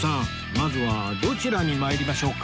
まずはどちらに参りましょうか？